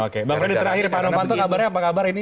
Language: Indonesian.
pak fredy terakhir panah panah kabarnya apa kabar ini